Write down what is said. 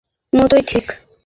প্রথম মতই সঠিক।